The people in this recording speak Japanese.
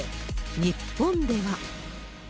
日本では。